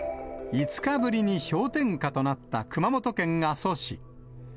５日ぶりに氷点下となった熊本県阿蘇市。